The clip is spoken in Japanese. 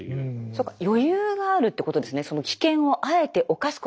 そっか余裕があるってことですね。